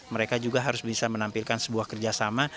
mereka juga harus bisa menampilkan sebuah kerjasama